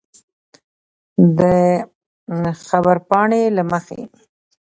د خبرپاڼې له مخې